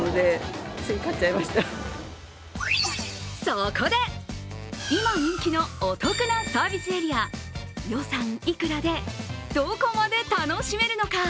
そこで、今人気のお得なサービスエリア、予算いくらで、どこまで楽しめるのか？